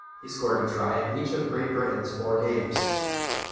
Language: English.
He scored a try in each of Great Britain's four games.